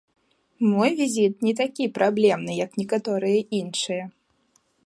Мой візіт не такі праблемны, як некаторыя іншыя.